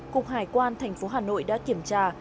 cục hải quan thành phố hà nội đã kiểm tra